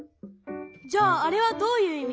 じゃああれはどういういみ？